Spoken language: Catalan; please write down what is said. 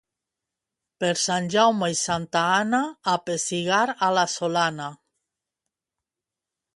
Per Sant Jaume i Santa Anna, a pessigar a la Solana.